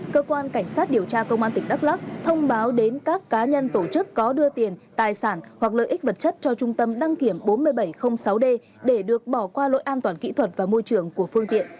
cơ quan cảnh sát điều tra công an tỉnh đắk lắc thông báo đến các cá nhân tổ chức có đưa tiền tài sản hoặc lợi ích vật chất cho trung tâm đăng kiểm bốn nghìn bảy trăm linh sáu d để được bỏ qua lỗi an toàn kỹ thuật và môi trường của phương tiện